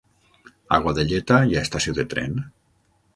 A Godelleta hi ha estació de tren?